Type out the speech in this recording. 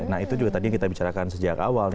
nah itu juga tadi yang kita bicarakan sejak awal